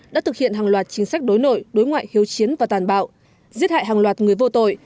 đã thực hiện hàng loạt chính sách đối nội đối ngoại hiếu chiến và tàn bạo giết hại hàng loạt người vô tội